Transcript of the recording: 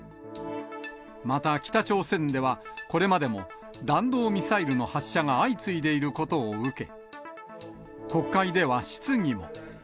また、北朝鮮では、これまでも弾道ミサイルの発射が相次いでいることを受け、国会では質疑も。